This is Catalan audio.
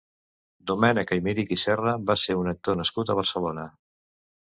Domènec Aymerich i Serra va ser un actor nascut a Barcelona.